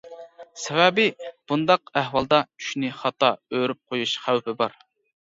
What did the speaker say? سەۋەبى، بۇنداق ئەھۋالدا چۈشنى خاتا ئۆرۈپ قويۇش خەۋپى بار.